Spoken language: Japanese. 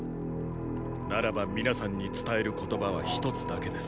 ならば皆さんに伝える言葉は一つだけです。